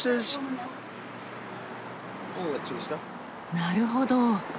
なるほど。